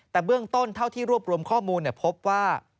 แต่เบื้องต้นเท่าที่รวบรวมข้อมูลพบว่า